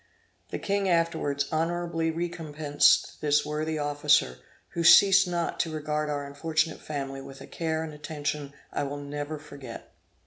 The King afterwards honorably recompensed this worthy officer, who ceased not to regard our unfortunate family with a care and attention I will never forget.